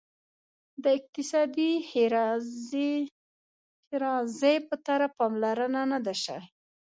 د اقتصادي ښیرازي په طرف پاملرنه نه ده شوې.